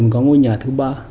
mà có ngôi nhà thứ ba